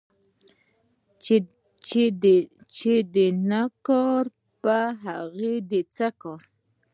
چي نه کار په هغه دي څه کار